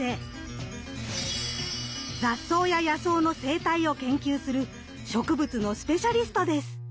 雑草や野草の生態を研究する植物のスペシャリストです。